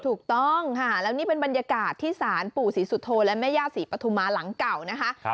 ถูกต้องค่ะแล้วนี่เป็นบรรยากาศที่ศาลปู่ศรีสุโธและแม่ย่าศรีปฐุมาหลังเก่านะคะ